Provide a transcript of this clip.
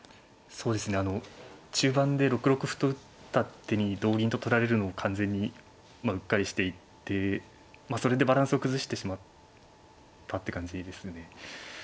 そうですねあの中盤で６六歩と打った手に同銀と取られるのを完全にまあうっかりしていてまあそれでバランスを崩してしまったって感じですね。